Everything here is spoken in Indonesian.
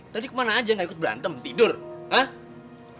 tadi kemana aja gak ikut berantem tidur ah